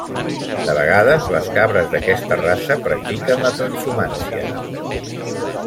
De vegades, les cabres d'aquesta raça practiquen la transhumància.